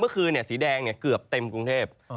เมื่อคืนสีแดงเกือบเต็มกรุงเทพฯ